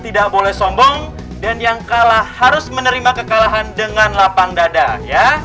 tidak boleh sombong dan yang kalah harus menerima kekalahan dengan lapang dada ya